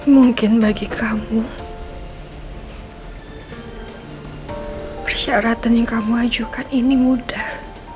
mungkin bagi kamu persyaratan yang kamu ajukan ini mudah